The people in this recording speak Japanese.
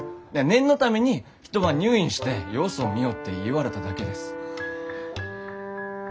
念のために一晩入院して様子を見ようって言われただけです。